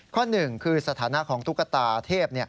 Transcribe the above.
หนึ่งคือสถานะของตุ๊กตาเทพ